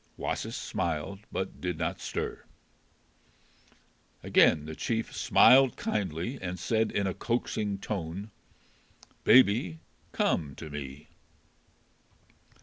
Wasis smiled, but did not stir. Again the chief smiled kindly and said in a coaxing tone, "Baby, come to me."